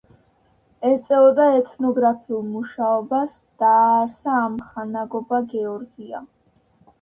ეწეოდა ეთნოგრაფიულ მუშაობას, დააარსა ამხანაგობა „გეორგია“.